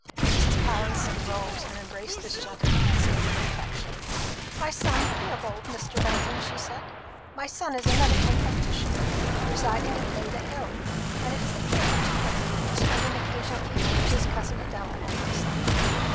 Mrs. Pallinson rose and embraced this gentleman with stately affection. "My son Theobald Mr. Fenton," she said. "My son is a medical practitioner, residing at Maida hill; and it is a pleasure to him to spend an occasional evening with his cousin Adela and myself."